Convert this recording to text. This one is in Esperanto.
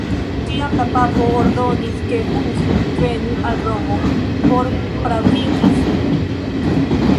Tiam la papo ordonis, ke Hus venu al Romo por pravigi sin.